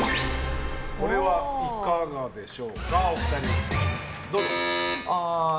これはいかがでしょうか、お二人。